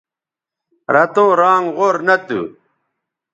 رتوں رانگ غور نہ تھو